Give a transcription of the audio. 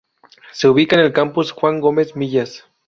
Se ubica en el Campus Juan Gómez Millas.